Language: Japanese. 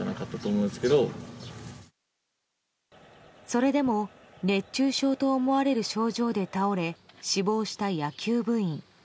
それでも熱中症と思われる症状で倒れ死亡した野球部員。